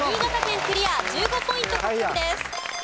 １５ポイント獲得です。